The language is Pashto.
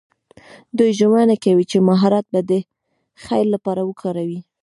دوی ژمنه کوي چې مهارت به د خیر لپاره کاروي.